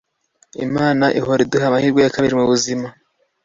imana ihora iduha amahirwe ya kabiri mubuzima